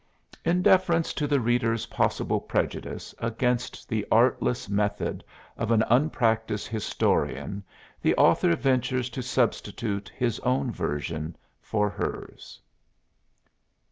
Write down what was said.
In deference to the reader's possible prejudice against the artless method of an unpractised historian the author ventures to substitute his own version for hers.